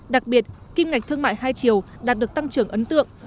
đặc biệt kim ngạch thương mại hai chiều đạt được tăng trưởng ấn tượng